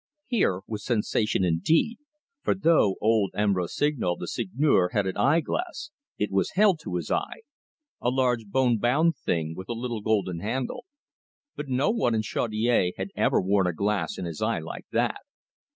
Here was sensation indeed, for though old M. Rossignol, the Seigneur, had an eye glass, it was held to his eye a large bone bound thing with a little gold handle; but no one in Chaudiere had ever worn a glass in his eye like that.